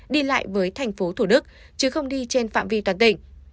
đi lại với tp thủ đức chứ không đi trên phạm vi toàn tỉnh